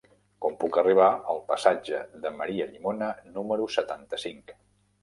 Com puc arribar al passatge de Maria Llimona número setanta-cinc?